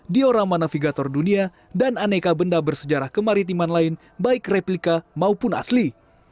diorama navigator dunia dan aneka benda bersejarah kemaritiman lain baik replika maupun asli